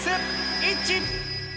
イッチ。